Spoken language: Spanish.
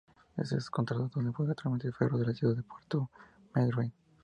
Es contratado y donde Juega Actualmente en Ferro de la Ciudad de Puerto Madryn.